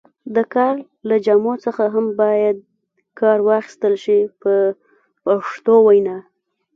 د کار له جامو څخه هم باید کار واخیستل شي په پښتو وینا.